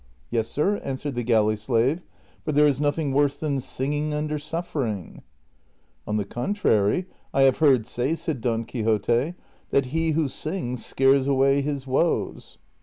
" Yes, sir," answered the galley slave, " for there is nothing worse than singing under suffering." " On the contrary, I have heard say," said Don Quixote, " that he who sings scares away his woes."